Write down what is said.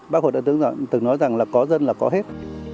bác hồ đại tướng từng nói rằng là có dân là có hết